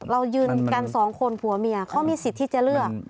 เรายืนกันสองคนผัวเมียเขามีสิทธิ์ที่จะเลือก